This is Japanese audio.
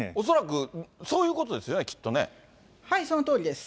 恐らくそういうことですよね、きっとね？